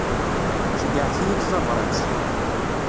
Ceyyɛet-iyi-d tabrat.